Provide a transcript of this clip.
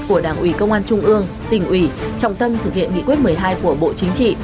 của đảng ủy công an trung ương tỉnh ủy trọng tâm thực hiện nghị quyết một mươi hai của bộ chính trị